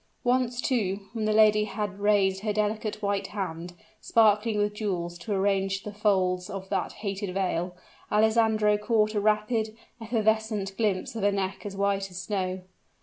Once, too, when the lady raised her delicate white hand, sparkling with jewels, to arrange the folds of that hated veil, Alessandro caught a rapid, evanescent glimpse of a neck as white as snow.